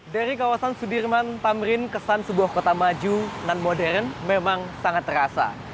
dari kawasan sudirman tamrin kesan sebuah kota maju dan modern memang sangat terasa